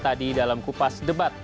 tadi dalam kupas debat